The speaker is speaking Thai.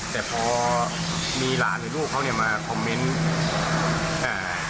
แต่พอมีหลานหรือลูกของเขามาคอมเม้นท์